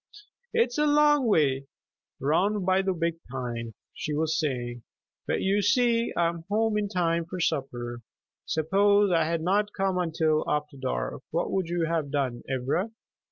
"It's a long way 'round by the big pine," she was saying; "but you see I am home in time for supper. Suppose I had not come until after dark. What would you have done, Ivra?"